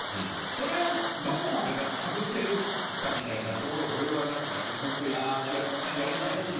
それをどこまで外せるかみたいなところを俺はなんかずっとやりたいです。